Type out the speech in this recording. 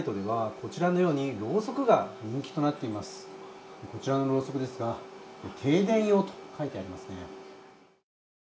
こちらのろうそくですが停電用と書いてありますね。